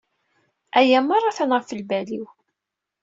Aya merra atan ɣef lbal-iw.